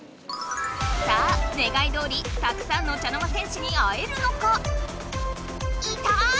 さあ願いどおりたくさんの茶の間戦士に会えるのか⁉いた！